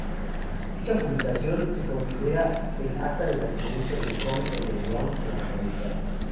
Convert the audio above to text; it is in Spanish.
Dicha publicación se considera el acta de nacimiento del cómic underground norteamericano.